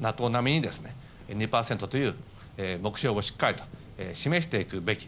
ＮＡＴＯ並みに、２％という目標をしっかりと示していくべき。